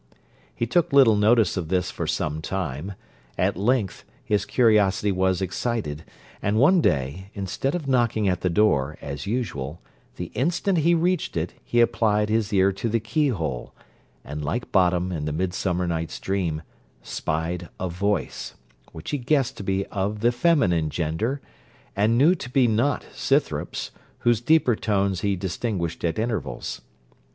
He took little notice of this for some time; at length his curiosity was excited, and, one day, instead of knocking at the door, as usual, the instant he reached it, he applied his ear to the key hole, and like Bottom, in the Midsummer Night's Dream, 'spied a voice,' which he guessed to be of the feminine gender, and knew to be not Scythrop's, whose deeper tones he distinguished at intervals.